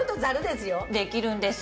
できるんです。